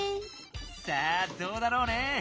さあどうだろうね。